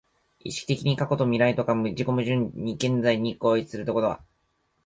意識的に過去と未来とが自己矛盾的に現在に合一するということは、